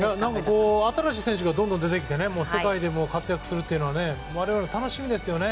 新しい選手がどんどん出てきて世界でも活躍するのは我々楽しみですよね。